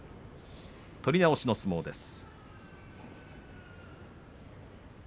取り直しの相撲です。